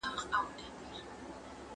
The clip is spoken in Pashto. هر علم خپله ځانګړې تګلاره لري.